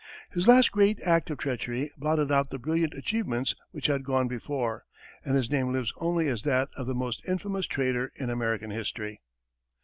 His last great act of treachery blotted out the brilliant achievements which had gone before, and his name lives only as that of the most infamous traitor in American history.